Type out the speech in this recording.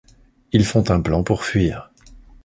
Ils font un plan pour fuir.